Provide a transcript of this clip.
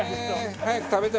早く食べたい。